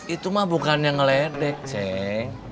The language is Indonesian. itu mah bukan yang ngeledek cik